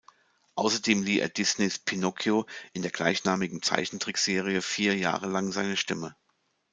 Außerdem lieh er Disneys Pinocchio in der gleichnamigen Zeichentrickserie vier Jahre lang seine Stimme.